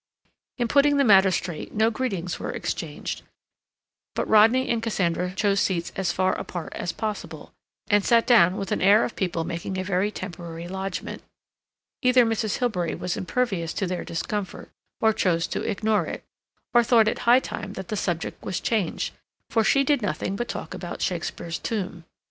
In putting the matter straight no greetings were exchanged, but Rodney and Cassandra chose seats as far apart as possible, and sat down with an air of people making a very temporary lodgment. Either Mrs. Hilbery was impervious to their discomfort, or chose to ignore it, or thought it high time that the subject was changed, for she did nothing but talk about Shakespeare's tomb.